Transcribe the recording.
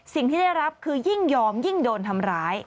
สิ่งที่ได้รับคือยิ่งยอมยิ่งโดนทำร้าย